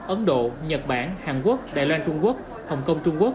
ấn độ và trung quốc